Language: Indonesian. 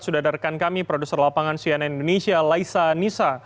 sudah ada rekan kami produser lapangan cnn indonesia laisa nisa